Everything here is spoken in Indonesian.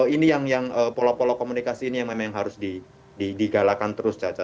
ini yang pola pola komunikasi ini yang memang harus digalakan terus caca